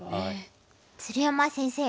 鶴山先生